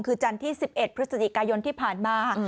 คือจันทร์ที่๑๑พฤศจิกายนที่ผ่านมา